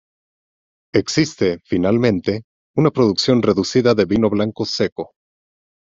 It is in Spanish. Existe, finalmente, una producción reducida de vino blanco seco.